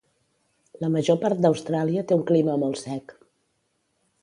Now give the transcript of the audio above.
La major part d'Austràlia té un clima molt sec.